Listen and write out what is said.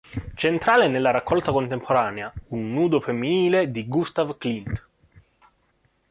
Centrale, nella raccolta contemporanea, un nudo femminile di Gustav Klimt.